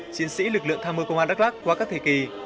chiến sĩ lực lượng tham mưu công an đắk lắc qua các thời kỳ